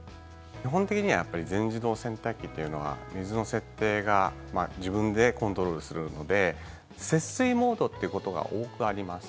基本的にはやっぱり全自動洗濯機というのは水の設定が自分でコントロールするので節水モードということが多くあります。